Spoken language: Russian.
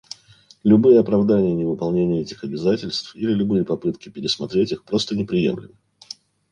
Любые оправдания невыполнения этих обязательств или любые попытки пересмотреть их просто неприемлемы.